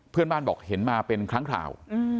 เพื่อนบ้านบอกเห็นมาเป็นครั้งคราว